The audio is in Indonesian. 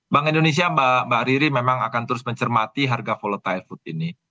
bank indonesia mbak riri memang akan terus mencermati harga volative food ini